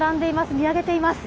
見上げています。